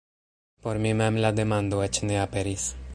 Por mi mem la demando eĉ ne aperis.